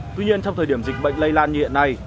tuy nhiên trong thời điểm dịch bệnh lây lan như hiện nay